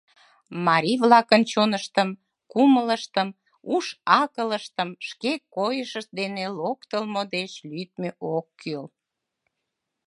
Марий-влакын чоныштым, кумылыштым, уш-акылыштым шке койышышт дене локтылмо деч лӱдмӧ ок кӱл.